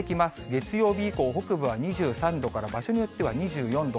月曜日以降、北部は２３度から、場所によっては２４度。